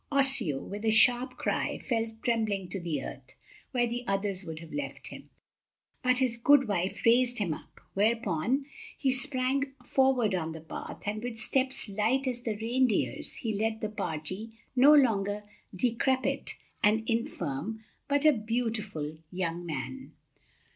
Osseo, with a sharp cry, fell trembling to the earth, where the others would have left him. But his good wife raised him up, whereupon he sprang forward on the path, and with steps light as the reindeer's he led the party, no longer decrepit and infirm, but a beautiful young man.